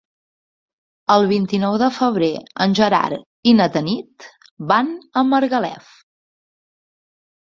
El vint-i-nou de febrer en Gerard i na Tanit van a Margalef.